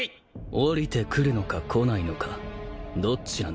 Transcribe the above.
下りてくるのかこないのかどっちなんだ？